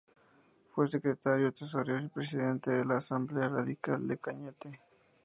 Fue secretario, tesorero y presidente de la Asamblea Radical de Cañete.